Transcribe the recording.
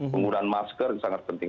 penggunaan masker sangat penting